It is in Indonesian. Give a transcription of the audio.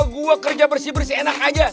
gue kerja bersih bersih enak aja